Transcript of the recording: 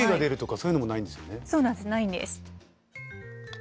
そうなんですないんです。